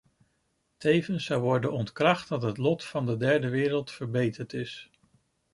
Tevens zou worden ontkracht dat het lot van de derde wereld verbeterd is.